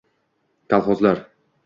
Kolxozlar